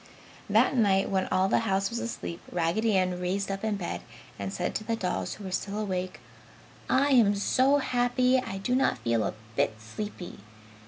That night when all the house was asleep, Raggedy Ann raised up in bed and said to the dolls who were still awake, "I am so happy I do not feel a bit sleepy.